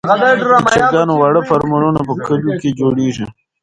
د چرګانو واړه فارمونه په کليو کې جوړیږي.